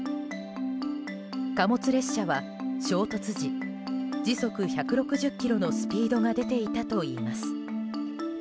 貨物列車は衝突時時速１６０キロのスピードが出ていたといいます。